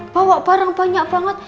bawa barang banyak banget